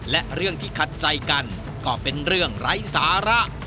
และเรื่องที่ขัดใจกันก็เป็นเรื่องไร้สาระ